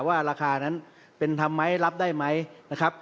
ว่าราคานั้นเป็นธรรมไหมรับได้ไหมนะครับ